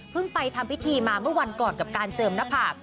ไปทำพิธีมาเมื่อวันก่อนกับการเจิมหน้าผาก